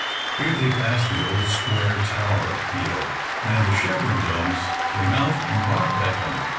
Here they passed the old square tower of Peel, and the shepherd dogs came out and barked at them.